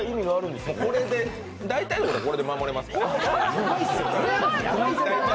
大体の人はこれで守れますから。